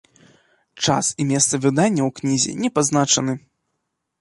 Час і месца выдання ў кнізе не пазначаны.